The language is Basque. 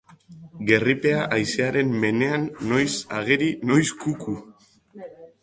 Gerripea, haizearen menean, noiz ageri noiz kuku.